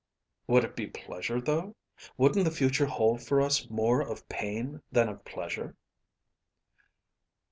"Would it be pleasure, though? Wouldn't the future hold for us more of pain than of pleasure?"